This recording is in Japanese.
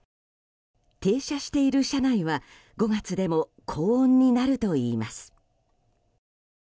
停車している車内は５月でも高温になるといいます。